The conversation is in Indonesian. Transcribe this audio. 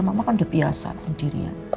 mama kan udah biasa sendirian